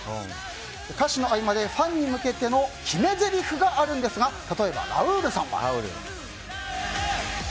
歌詞の合間でファンに向けての決めぜりふがあるんですが例えば、ラウールさんは。